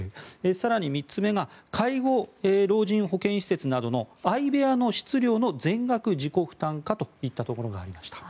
更に３つ目が介護老人保健施設などの相部屋の室料の全額自己負担化といったところがありました。